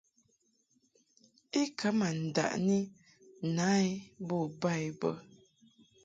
I ka ma ndaʼni na i bo ba i bə.